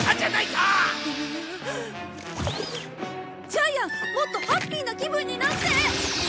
ジャイアンもっとハッピーな気分になって！